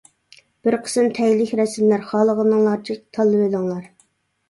بىر قىسىم تەگلىك رەسىملەر، خالىغىنىڭلارچە تاللىۋېلىڭلار.